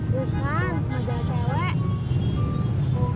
bukan majalah cewek